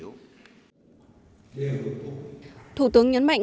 điều thủ tướng nhấn mạnh